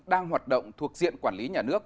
đang hoạt động thuộc diện quản lý nhà nước